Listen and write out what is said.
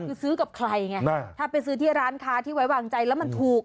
คือซื้อกับใครไงถ้าไปซื้อที่ร้านค้าที่ไว้วางใจแล้วมันถูก